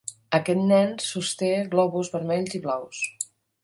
Aquest nen sosté globus vermells i blaus.